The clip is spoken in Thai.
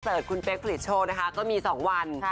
คอนเสิร์ตคุณเป๊กผลิตโชว์นะคะก็มี๒วัน